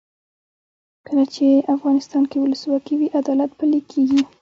کله چې افغانستان کې ولسواکي وي عدالت پلی کیږي.